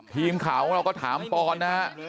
พีมข่าวเราก็ถามป้อนนะฮะ